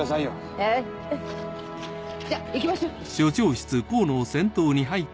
えぇじゃあ行きましょう。